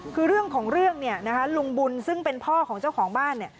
คือเรื่องของเรื่องเนี่ยนะคะลุงบุญซึ่งเป็นพ่อของเจ้าของบ้าน